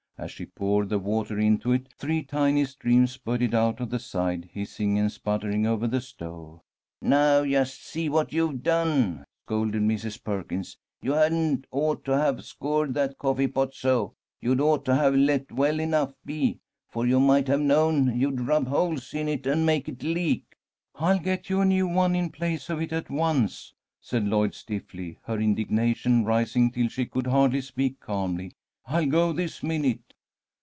As she poured the water into it, three tiny streams spurted out of the side, hissing and sputtering over the stove. "Now just see what you done!" scolded Mrs. Perkins. "You hadn't ought to have scoured that coffee pot so. You'd ought to have let well enough be, for you might have known you'd rub holes in it and make it leak." "I'll get you a new one in place of it at once," said Lloyd, stiffly, her indignation rising till she could hardly speak calmly. "I'll go this minute."